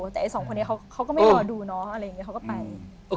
แต่ไอ้สองคนนี้เขาก็ไม่รอดูเนาะอะไรอย่างนี้เขาก็ไป